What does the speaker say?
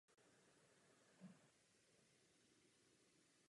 Byly natočeny videoklipy k "I Was Music" a k "illusion Is Mine".